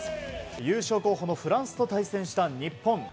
優勝候補のフランスと対戦した日本。